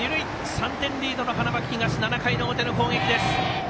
３点リードの花巻東７回の表の攻撃です。